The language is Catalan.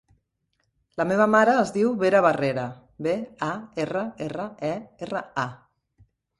La meva mare es diu Vera Barrera: be, a, erra, erra, e, erra, a.